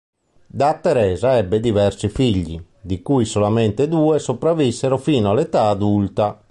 Da Teresa ebbe diversi figli, di cui solamente due sopravvissero fino all'età adulta.